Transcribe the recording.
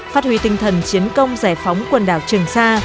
phát huy tinh thần chiến công giải phóng quần đảo trường sa